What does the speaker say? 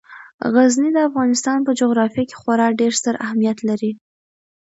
غزني د افغانستان په جغرافیه کې خورا ډیر ستر اهمیت لري.